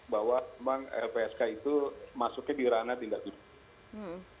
bahwa memang lpsk itu masuknya di ranah tindak pidana